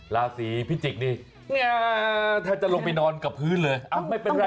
ราศีพิจิกนี่แทบจะลงไปนอนกับพื้นเลยไม่เป็นไร